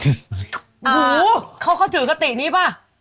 อ่าฮู้เขาถือกตีนี้ปะ